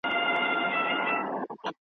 اګاه که ټول عالم سي یو رویباربه پکښي نه وي